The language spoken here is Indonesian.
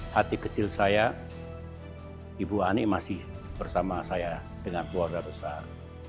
hati kecil saya ibu ani masih bersama saya dengan keluarga besar